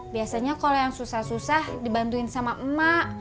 biasanya kalau yang susah susah dibantuin sama emak